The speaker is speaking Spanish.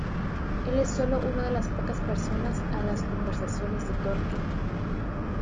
Él es sólo una de las pocas personas a las conversaciones de Torque.